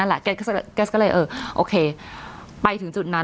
แหละแกก็เลยเออโอเคไปถึงจุดนั้น